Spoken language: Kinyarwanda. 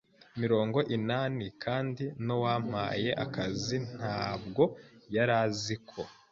mirongo inani kandi nuwampaye akazi ntabwo yaraziko